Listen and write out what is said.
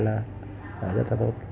là rất là tốt